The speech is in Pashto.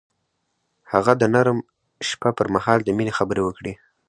هغه د نرم شپه پر مهال د مینې خبرې وکړې.